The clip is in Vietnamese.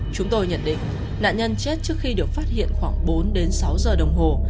chúng tôi nhận định nạn nhân chết trước khi được phát hiện khoảng bốn đến sáu giờ đồng hồ